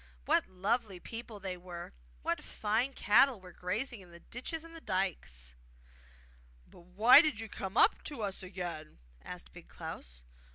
What lovely people there were, and what fine cattle were grazing in the ditches and dykes!' 'But why did you come up to us again?' asked Big Klaus.